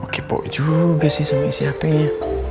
kepo juga sih sama isi hp nya